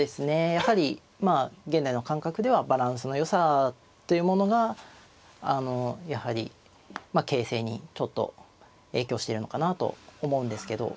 やはりまあ現代の感覚ではバランスのよさというものがやはり形勢にちょっと影響しているのかなと思うんですけど。